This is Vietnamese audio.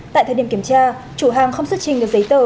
tại thời điểm kiểm tra chủ hàng không xuất trình được giấy tờ